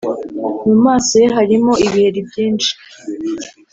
mu maso ye harimo ibiheri byinshi